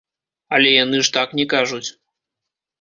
Але яны ж так не кажуць.